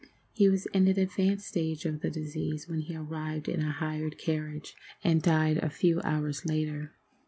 He was in an advanced stage of the disease when he arrived in a hired carriage, and died a few hours later.